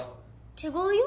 違うよ。